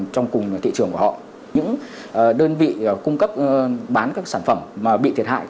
trong cùng thị trường của họ những đơn vị cung cấp bán các sản phẩm bị thiệt hại